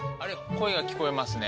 声が聞こえますね。